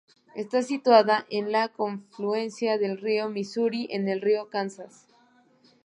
Está situada en la confluencia del río Misuri con el río Kansas.